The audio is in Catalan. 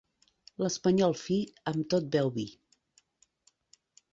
L'espanyol fi amb tot beu vi.